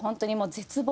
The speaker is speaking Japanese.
絶望。